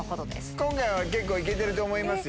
今回は結構いけてると思いますよ。